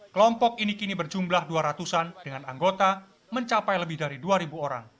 kelompok ini kini berjumlah dua ratus an dengan anggota mencapai lebih dari dua orang